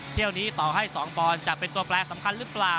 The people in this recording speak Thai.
เที่ยวนี้ต่อให้๒ปอนด์จะเป็นตัวแปลสำคัญหรือเปล่า